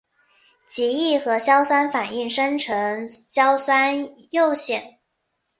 极易和硝酸反应生成硝酸铀酰。